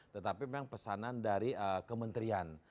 tetapi memang pesanan dari kementerian